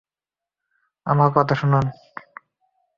আমার কথা শুনুন।